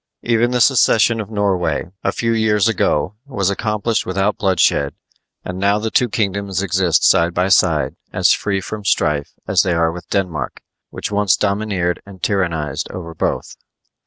Even the secession of Norway, a few years ago, was accomplished without bloodshed, and now the two kingdoms exist side by side as free from strife as they are with Denmark, which once domineered and tyrannized over both.